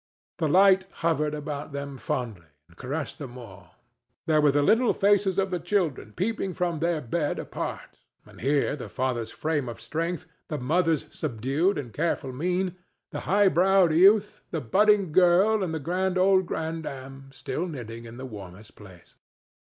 The light hovered about them fondly and caressed them all. There were the little faces of the children peeping from their bed apart, and here the father's frame of strength, the mother's subdued and careful mien, the high browed youth, the budding girl and the good old grandam, still knitting in the warmest place.